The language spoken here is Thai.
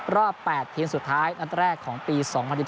รอบ๘ทีมสุดท้ายนัดแรกของปี๒๐๑๘